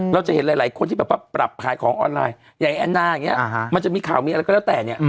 เราจะเห็นหลายคนที่ปรับขายของออนไลน์อย่างไอ้แอนามันจะมีข่าวมีอะไรก็แล้วแต่เนี่ย